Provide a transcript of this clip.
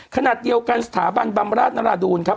ขณะเดียวกันสถาบันบำราชนราดูนครับ